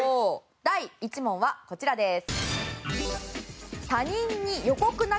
第１問はこちらです。